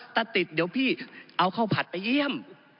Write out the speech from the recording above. ถ้าติดเดี๋ยวพี่เอาข้าวผัดไปเยี่ยม